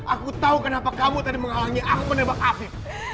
aku tahu kenapa kamu tadi menghalangi aku menebak afi